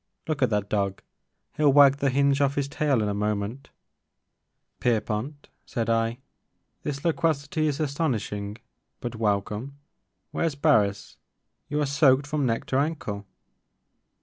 Look at that dog, he '11 wag the hinge off his tail in a moment "Pierpont," said I, "this loquacity is astonish ing but welcome. Where 's Barris? You are soaked from neck to ankle."